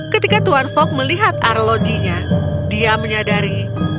ketika tuan fok melihat arlojinya dia menyadari